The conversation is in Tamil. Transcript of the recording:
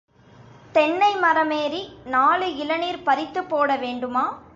தென்ன மரமேறி நாலு இளநீர் பறித்துப்போட வேண்டுமா?